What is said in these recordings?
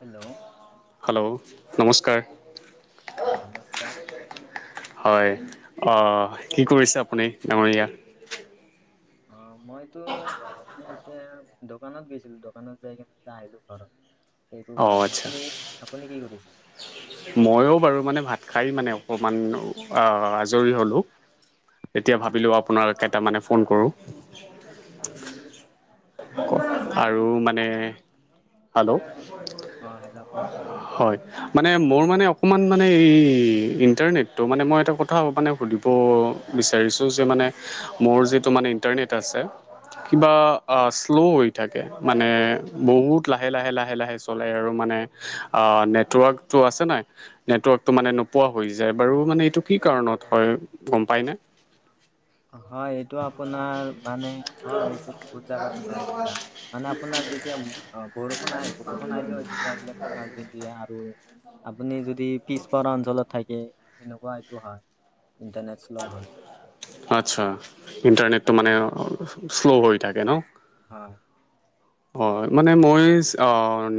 Hello hello নমস্কাৰ। হয় নমস্কাৰ। আহ কি কৰিছে আপুনি, ডাঙৰীয়া? অ মইতো মানে এতিয়া দোকানত গৈছিলো, দোকানত যাই কিনে এতিয়া আহিলো ঘৰত। একো অঁ কৰা নাই, আচ্ছা আপুনি আপুনি কি কৰিছে? ময়ো বাৰু মানে ভাত খাই মানে অকণমান অ আজৰি হ'লোঁ। তেতিয়া অ ভাবিলোঁ আপোনাক এটামানে ফোন কৰোঁ। অ আৰু মানে হেল্ল' অ হেল্ল' কওকচোন হয়, মানে মোৰ মানে অকণমান মানে এই ইণ্টাৰনেটটো মানে মই এটা কথা মানে সুধিব বিচাৰিছো যে মানে মোৰ যিটো মানে ইণ্টাৰনেট আছে কিবা শ্ল' হৈ থাকে মানে বহুত লাহে লাহে লাহে লাহে চলে আৰু মানে অ নেটৱৰ্কতটো আছে নাই নেটৱৰ্কতটো মানে নোপোৱা হৈ যায় বাৰু মানে এইটো কি কাৰণত হয় গম পাই নে? হয় এইটো আপোনাৰ মানে হয়, এইটো বহুত জাগাতো হয় এনে কাৰণে, মানে আপোনাৰ যেতি য়া বৰষুণ আহে বৰষুণ আহিলেও এইটো প্ৰব্লেম দিয়ে আৰু আপুনি যদি পিছপৰা অঞ্চলত থাকে সেনেকুৱা এইটো হয়, ইণ্টাৰনেট শ্ল' হয়। আচ্ছা ইণ্টাৰনেটটো মানে শ্ল' হৈ থাকে ন। হয় অ মানে মই অ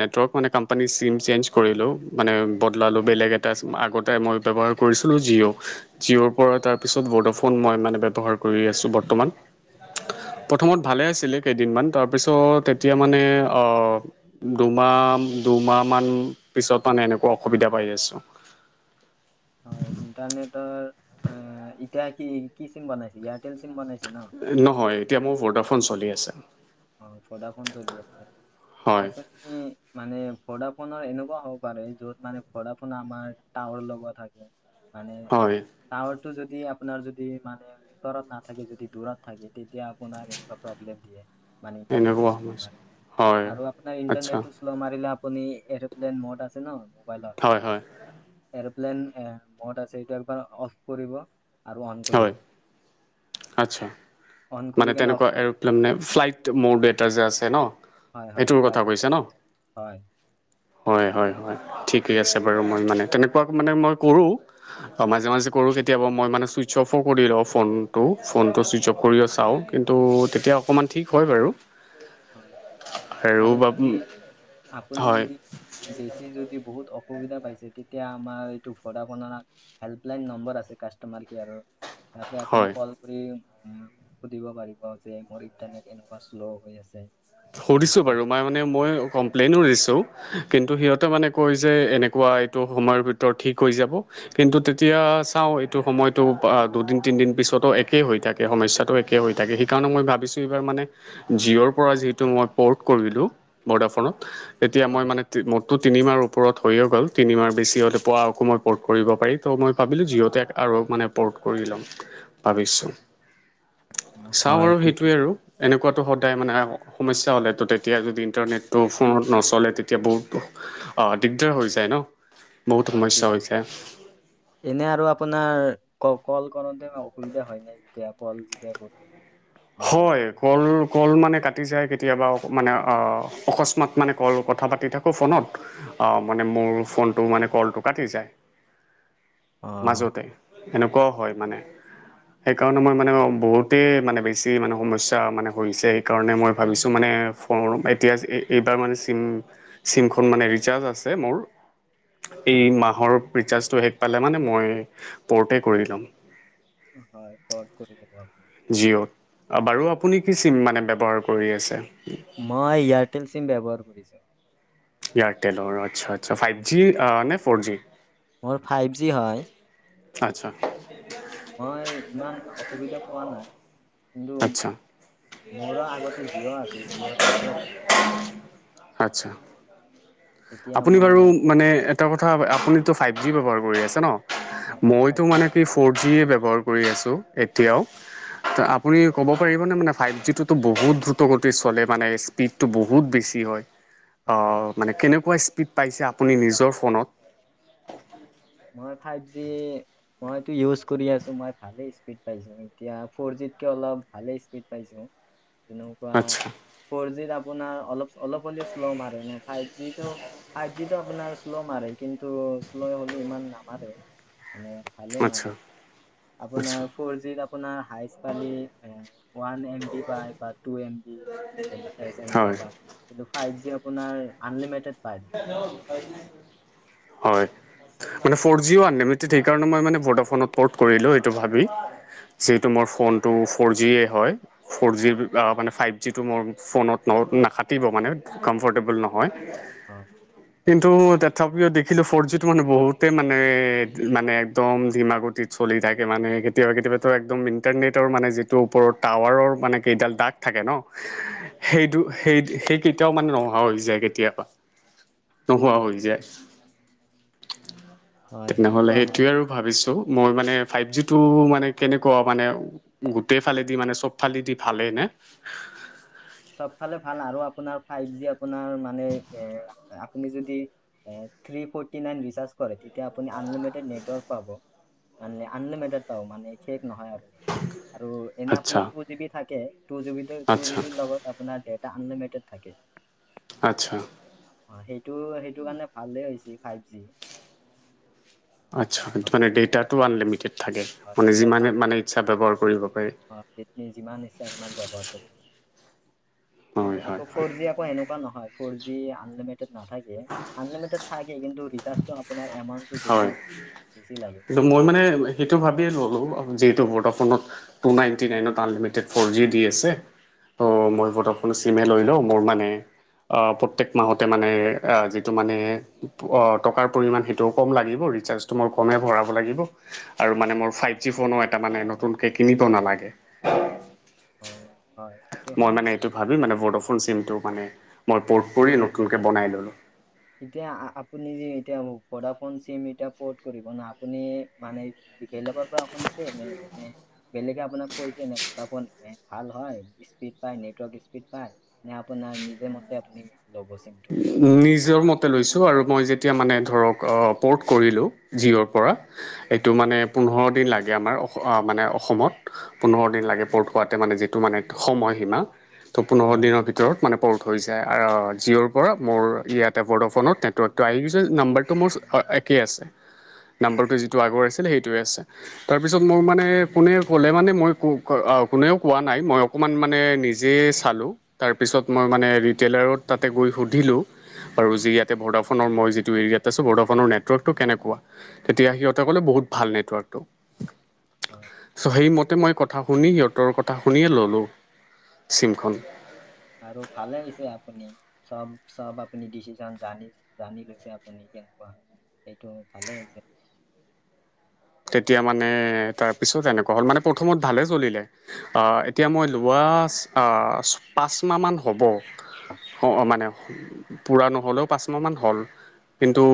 নেটৱৰ্ক মানে কোম্পানীৰ চিম চেঞ্জ কৰিলোঁ, মানে বদলা লো, বেলেগ এটা চিম আগতে মই ব্যৱহাৰ কৰিছিলো জীও, জীও ৰ পৰা তাৰপিচত ভোডাফোন মই মানে ব্যৱহাৰ কৰি আছো বৰ্তমান, বৰ্তমান ভালে আছিলে কেইদিনমান তাৰপিছত এত এতিয়া মানে অ দুমাহ, দুমাহ মান পিছত মানে এনেকুৱা অসুবিধা পাইছো। প আছো হয় ইণ্টাৰনেটৰ এতিয়া কি কি চিম বনাইছে এয়াৰটেল চিম বনাইছো নহয় এতিয়া মোৰ ভৰ্ডাৰফ চলি আছে অ ফদাফোন চলি আছে হয় আপুনি মানে ঘোডৰাা ফোনৰ এনেকুৱা হ'ব পাৰে যত মানে ঘৰাা ফোোন আমাৰ টাৱাৰ লগত থাকে মানে হয় তাত আপোনাৰ যদি মানে ওচৰত নাথাকে যদি দূৰত থাকে তেতিয়া আপোনাৰ এনেকুৱা প্ৰব্লেম দিয়ে মানে ইটাৰনেট্ এনেকুৱা ম সমস্যা হয় আৰু আপোনাৰ আচ্ছা ইণ্টাৰনেটটো শ্ল' মাৰিলে আপুনি এৰ'প্লেন মত আছে ন হয় মোবাইলত হয় এ পন মদ আছে এইটো একবাৰ অফ কৰিব আৰু অন কৰিব হয় আচছা অন কৰি মানে কিনে তেনেকুৱা অফ এৰপ্লেন নে ফ্লাইট মোৰ দেউতা যে আছে ন হয় হয় এইটোৰ কথা ফ্লাইট কৈছে ন হয় হয় হয় হয় ঠিকে আছে বাৰু মই মানে তেনেকুৱা মানে মই কৰো মাজে মাজে কৰো কেতিয়াবা মই মানেই ছুইচ অফো কৰি লওঁ ফোনটো ফোনটো ছুইচ অফ কৰিও চাওঁ কিন্তু তেতিয়া অকণমান ঠিক হয় বাৰু হয় [unintelligible] আৰু বা য আপুনি হয় যদি বেছি যদি বহুত অ সুবিধা পাইছে তেতিয়া আমাৰ এইটো ভডখ হেল্পলাইন নম্বৰ আছে কাষ্টমাৰ কেয়াৰৰ ততে হয় আপুনি কল কৰি সুধিব পাৰিব যে মোৰ ইণ্টাৰনেট এনেকুৱা শ্ল' হৈ আছে সুধিছো এনেকুৱা বাৰু মই মানে মই কমপ্লেইনো িছো ভ এতিয়া চাওঁ এইটো সময়তটো দুদিন তিনদিন পিছতো একেই হৈ থাকে সমস্্যাটো একেই হৈ থাকে সেইকাৰণে মই ভাবিছো এইাৰ মানে জিঅৰ পৰা যিহ মইৰ্ কৰিলো বৰ্ডাৰত এতিয়া মই হয় মানে টো তিনিমাৰ ওপৰত হৈয়ে গ'ল তিনিমাৰ বেছি হ'লে পোৱা আকৌ মই ক'ৰ্ট কৰিব পাৰি তো মই ভাবিলোঁ যিহঁতেক আৰু আৰু মানে পৰ্ট কৰি ল'ম ভাবিছোঁ উম, চাও হয় আৰু ঠিকে সেইটোয়ে আৰু এনেকুৱাতটো সদায় মানে সমস্যা হ'লে তো তেতিয়া যদি ইণ্টাৰনেটটো ফোনত নচলে তেতিয়া বহুত দিগদাৰ হৈ যায় ন বহুত সমস্যা হয় িক হৈ হয় যায় এনে আৰু আপোনাৰ কওক কল কৰাতে অসুবিধা হয় নাই যেতিয়া কল যেতিয়া কৰ হয় কল কল মানে কাট ম ম ম মোৰ ফোনটো মানে কলটো কাটি যায় অ মাজতে এেনেকুৱাও হয় মানে সেইকাৰণে মই মানে বহুতেই মানে বেছি বেছি মানে সমস্যা মানে হৈছে সেইকাৰণে মই ভাবিছোঁ মানে ফ এতিয়া এইবাৰ মানে চিম ম আ ম এই হয় মাহৰ ৰিচাৰ্জটো শেষ পালে মানে মই পৰ্ট কৰি ল'ম হয় প কৰি দিব জিঅ'ত বাৰু আপুনি কি চিম মানে ব্যৱহাৰ কৰি আছে মই এয়াৰটেল চিম ব্যৱহাৰ কৰিছোঁ এয়াৰটেলৰ আচ্ছা আ্ছা ফাইভ জি নে ফৰ জি মোৰ ফাইভ জি হয়। আচ্ছা। মই ইমান অসুবিধা পোৱা নাই। কিন্তু আচ্ছা। মোৰো আগতে জিঅ' আছিল জিঅ'ত ময়ো অসুবিধা পাইছিলোঁ আচ্ছা। এতিয়া আপুনি বাৰু মই মানে এটা কথা, আপুনিতো ফাইভ জি ব্যৱহাৰ কৰি আছে হয় নহ। ফাইভ মইতো জি মানে কি, ফৰ জি এ ব্যৱহাৰ কৰি আছো, এতিয়াও। আপুনি ক'ব পাৰিবনে মানে ফাইভ জিতোটো বহুত দ্ৰুতগতিত চলে মানে, স্পীডটো বহুত বেছি হয়। বা হয় মানে কেনেকুৱা স্পীড পাইছে আপুনি নিজৰ ফোনত। মই ফাইভ জি মইতো ইওজ কৰি আছো, মই ভালে স্পীড পাইছো। এতিয়া ফৰ জিতকে অলপ ভালে স্পীড পাইছো। যেনেকুৱা আচ্ছা ফ'ৰ জিত আপোনাৰ অলপ অলপ হলেও শ্ল' মাৰে, ফাইভ জিটো ফাইভ জিটো আপোনাৰ শ্ল' মাৰে কিন্তু, শ্ল' হলেই ইমান নামাৰে, মানে ভালেই আচ্ছা মাৰে। আচ্ছা আপোনাৰ ফৰ জিত আপোনাৰ হাইেষ্ট খালি ওৱান এম বি পায় বা টু এম বি এনেকুৱা হয় প কিন্তু ফাইভ জি আপোনাৰ আনলিমিটেড। পায় [unintelligible] হয়। মানে ফ'ৰ জিউ আনলিমিটেড, সেইকাৰণে মই মানে ভোদাফোনত পৰ্ট কৰিলো, এইটো ভাবি। যিহেতু মোৰ ফোনটো ফ'ৰ জিয়েই হয়, ফ'ৰ জি মানে ফাইভ জিটো মোৰ ফোনত ন নাখাটিব মানে, কমফৰটেবুল নহয়। [inaudible] কিন্তু তথাপিও দেখিলো ফ'ৰ জিটো মানে বহুতে মানে, মানে একদম ধিমাগতিত চলি থাকে মানে। কেতিয়াবা কেতিযাবাটো একদম ইণ্টাৰনেটৰ মানে যিটো ওপৰত টাৱাৰৰ মানে কেইডাল দাগ থাকে নহ। সেইটো সেই, সেই কেইতাও মানে নহা হৈ যায় কেতিয়াবা। নোহোৱা হৈ যায়। হয় তেনেহ'লে সেনেকুৱা হয় সেইটোয়েই আৰু ভাবিছো, মই মানে ফাইভ জিটো মানে কেনেকুৱা মানে, গোটেই ফালেদি মানে চব ফালেদি ভালেই নে? [inaudible] চবফালে ভাল আৰু আপোনাৰ ফাইভ জি আপোনাৰ মানে এ, আপুনি যদি এ থ্ৰী ফৰটি নাইন ৰিচাৰ্জ কৰে, তেতিয়া আপুনি আনলিমিটেড নেটৱৰ্ক পাব। মানে আনলিমিটেট পাব। [unintelligible] নহয় আৰু, আৰু এনে আচ্ছা আপোনাৰ টু জি বি থাকে। Two G B, two G আচ্ছা বি ৰ লগত এটা আনলিমিটেড থাকে। আচ্ছা। অ', সেইটো, সেইটো কাৰণে ভালেই হৈছে ফাইভ জি। আচ্ছা, তু মানে ডেটা টো আনলিমিটেড থাকে, মানে যিমান মানে ইচ্ছা ব্যৱহাৰ কৰিব পাৰি অ', যি যিমান ইচ্ছা সিমান ব্যৱহাৰ কৰিব পাৰে। হয় আকৌ হয় আকৌ হয় ফৰ জি আকৌ এনেকুৱা নহয়, ফৰ জি আনলিমিটেড নাথাকে। আনলিমিটেড থাকে, কিন্তু ৰিচাৰ্ছ টো আপোনাৰ এমাউণ্টটো হয়, বেছি বেছি লাগে কিন্তু মই মানে সেইটো ভাবিয়ে ল'লো যিহেতু ভোদা [unintelligible] টু নাইনটি নাইনত আনলিমিটেড ফ'ৰ জি দি আছে, তো হয় মই ভোডাফোন লৈ লও, মোৰ মানে অহ। প্ৰত্যেক মাহতে মানে যিটো মানে টকাৰ পৰিমাণ সেই কম লাগিব, ৰিচাৰ্ছ টো মই কমেই ভৰাব লাগিব আৰু মানে মোৰ ফাইভ জি ফোনো এটা নতুনকে কিনিব নালাগে। হয়। এইটো মই হয় মানে এইটো ভাবি মানে ভোডাফোন চিমটো মানে মই পৰ্ট কৰি নতুনকে বনাই ল'লো। এতিয়া আপুনি যে এতিয়া ভোডাফোন চিম এতিয়া পৰ্ট কৰিব নহ আপুনি মানে বেলেগৰ পৰা শুনিছে নে? নে বেলেগে আপোনাক কৈছে নে, ভোডাফোন এ ভাল হয়। স্পীড পায় নেটৱৰ্ক স্পীড পায় নে আপোনাৰ নিজে মতে আপুনি ল'ব চিমটো নিজৰ মতে ম পোন্ধৰ দিন লাগে আমাৰ মানে অসমত পোন্ধৰ দিন লাগে প'ৰ্ট খোৱাতে মানে যিটো মানে সময় হয় ভ ম পৰা মোৰ ইয়াতে বৰ্ড'ফনত নেটৱৰ্কটো আহিছে নাম্বাৰটো মোৰ একেই আছে যি আগৰ সেই তাৰপিছত ম মানেোলে মান ম অ কোনেও কোৱা নাই মই অকমান মানে নিজে চালো তাৰপিছত মই মানে ৰিটেইলাৰত তাতে গৈ সুধো ধিলো, আৰু যি ইয়াতে বৰ্ডাফোনৰ মই যিটো এৰিয়াাত আছো বৰ্ডাফনৰ নেটৱৰ্কটো কেনেকুৱা তেতিয়া সিহঁতে ক'লে বহুত, বহুত ভাল নেটৱৰ্কটো। হয় ছ' সেইমতে মই কথা শুনি সিহঁতৰ কথা শুনিয়ে ল'লোঁ। চিমখন আৰু ভালে আহি হৈছে আপুনি। চব-চব আপুনি ডিচিশচন জানি-জানি লৈছে আপুনি কেনেকুৱা। সেইটো ভালে হৈছে। [inaudible] তেতিয়া মানে তাৰ পিছত এনেকুৱা হ'ল মানে প্ৰথমত ভালে চলিলে অহ এতিয়া মই লোৱা, পাঁচ মাহমান হ'ব। মানে পূৰা নহ'লেও পাঁচমাহান হ'ল। কিন্তু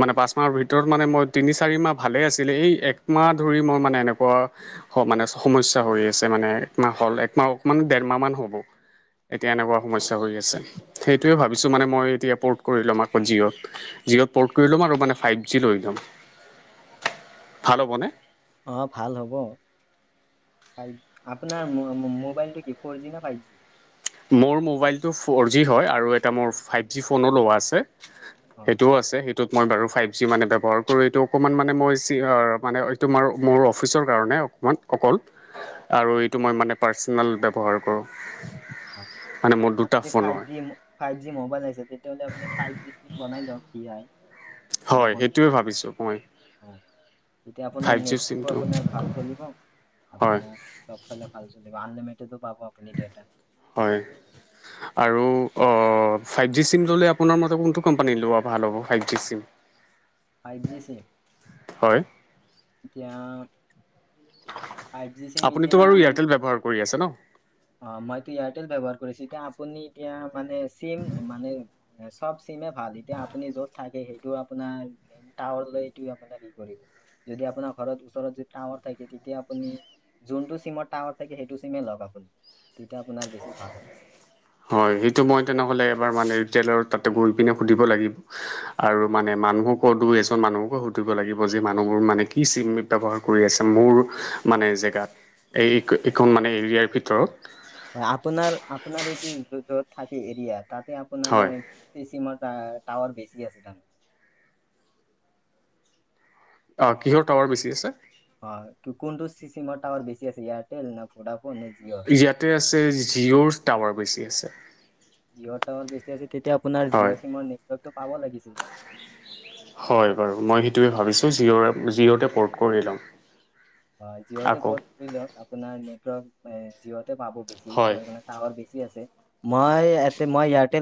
মানে পাঁচ মাহৰ ভিতৰত মানে মই তিনি চাৰি মাহ, ভালে আছিলে এই একমাহ ধৰি মই মানে এনেকুৱা মানে সমস্যা হৈ আছে মানে একমাহ। হ'ল একমাহ অকণমান ডেৰমাহমান হ'ব এতিয়া এনেকুৱা সমস্যা হৈ আছে। অ সেইটোয়ে ভাবিছো মানে মই। তেতিয়া প'ৰ্ট কৰি ল'ম আকৌ জিঅ'ত জিঅ'ত প'ৰ্ট কৰি ল'ম আৰু মানে ফাইভ জি লৈ ল'ম। ভাল হ'বনে অহ ভাল হব। আপোনাৰ মোবাইলটো কি ফ'ৰ জি ন ফাইভ জি। মোৰ মোবাইলটো ফ'ৰ জি হয় আৰু এটা মোৰ ফাইভ জি ফোনো লোৱা আছে। অ সেইটোও আছে সেইটো, ত' মই বাৰু ফাইভ জি মানে ব্যৱহাৰ কৰোঁ এইটো অকণমান মানে মই মানে এইটো ম মোৰ অফিচৰ কাৰণে অকমান অকল আৰু অ এইটো মই মানে পাৰ্চনেল ব্যৱহাৰ কৰোঁ। মানে মোৰ আপোনাৰ দুটা যদি ফোন ফাইভ হয় জি ফাইভ জি মবাইল আছে। তেতিয়াহ'লে আপুনি ফাইভ জি ট বন লওক ই হয়, সেইটোৱে ভাবিছো মই। হয়, এতিয়া ফাইভ আপোনাৰ জি নেটটো চিমটো আপোনাৰ ভাল চলিব। হয় আপোনাৰ চবফালে ভাল চলিব আন লি হয় আৰু। অঁ, ফাইভ জি চিম ল'লে আপোনাৰ মতে কোনটো কোম্পানীত লোৱা ভাল হ'ব five G SIM. Five G SIM. হয় এতিয়া, ফাইভ জি চিম এতিয়া আপুনিতো বাৰু মানে এয়াৰটেল এতিয়া ব্যৱহাৰ কৰি আছে ন। অ' মইতো এয়াৰটেল ব্যৱহাৰ কৰিছো এতিয়া আপুনি এতিয়া মানে চিম মানেব চব সব চিমেই ভাল, আপুনি জত থাকে সেইটো আপোনাৰ টাৱাৰ লৈ সেইটো হেৰী কৰিব। যদি আপোনাৰ ঘৰত ওচৰত যদি টাৱৰ থাকে তেতিয়া আপুনি জোনটো চিম টাৱাৰ থাকে সেইটো চিমে লওক আপোনি তেতিয়া আপোনাৰ বেছি ভাল হব। হয় সেইটো মই তেনেহলে এবাৰ ম তাতে গৈ পিনে সুধিব লাগিব আৰু মানে। মানুহকো দুই এজন মানুহকো সুধিব লাগিব যে মানুহবোৰ মানে কি চিম ব্যৱহাৰ কৰি আছে মোৰ। মানে জেগাত এই এইখন মানে এৰিয়াৰ ভিতৰত, হয় আপোনাৰ-আপোনাৰ এইটো য'ত থাকে এৰিয়াত তাতে হয় আপোনাৰ চিমাৰ টাৱাৰ বেছি আছে তাৰমানে অ' কিহৰ টাৱাৰ বেছি আছে। অ' কোনটো চিমৰ টাৱাৰ বেছি আছে এয়াৰটেল নে ভোদাফোণ, ইয়াতে আছে জিঅ'ৰ টাৱাৰ বেছি আছে। জিঅ' টাৱাৰ বেছি আছিল। তেতিয়া আপোনাৰ হয় জিঅ' চিমৰ নেটৱৰ্কটো পাব লাগিছিল। হয় বাৰু মই সেইটোৱে ভাবিছোঁ জিঅ' জিঅ'তে প'ৰ্ট কৰি ল'ম। হয়, জিঅ'তে আকৌ পৰত কৰি লওক আপোনাৰ নেটৰ্ক জিঅ'। তাতে পাব বেছি হয় তাৰ মানে টাৱাৰ বেছি আছে, মই এয়াৰটেল মই এয়াৰতেল